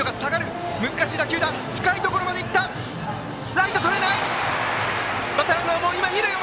ライト、とれない！